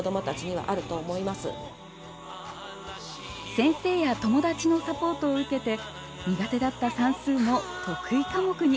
先生や友達のサポートを受けて苦手だった算数も得意科目に。